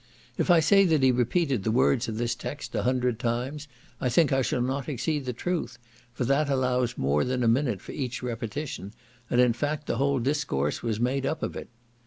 If I say that he repeated the words of this text a hundred times, I think I shall not exceed the truth, for that allows more than a minute for each repetition, and in fact the whole discourse was made up of it.